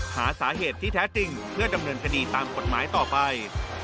หาสาเหตุที่แท้จริงเพื่อดำเนินคดีตามกฎหมายต่อไป